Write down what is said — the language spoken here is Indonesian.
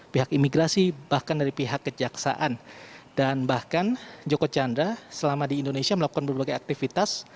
pihak imigrasi bahkan dari pihak kejaksaan dan bahkan joko chandra selama di indonesia melakukan berbagai aktivitas